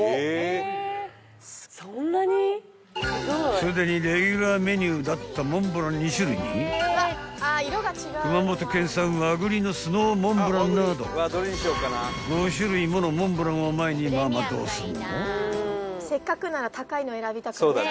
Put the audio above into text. ［すでにレギュラーメニューだったモンブラン２種類に熊本県産和栗のスノーモンブランなど５種類ものモンブランを前にママどうすんの？］